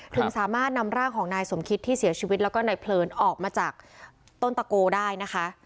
ถึงสามารถนำร่างของนายสมคิตที่เสียชีวิตแล้วก็นายเพลินออกมาจากต้นตะโกได้นะคะ